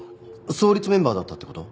創立メンバーだったって事？